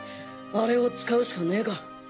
あれを使うしかねえか。